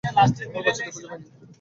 আমরা বাচ্চাদের খুঁজে পাইনি।